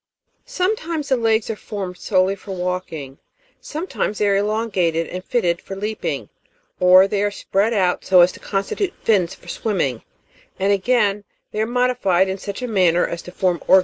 25. Sometimes the legs are formod solely for walking ; some times they are elongatecLand fitted for leaping, or they are spread out so as to constitute fins for swimming ; and, again, they are modified in such a manner as to form oi^ans of prehension.